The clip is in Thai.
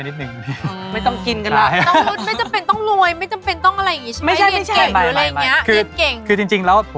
สืบให้ลึก